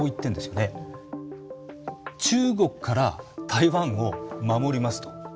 中国から台湾を守りますと。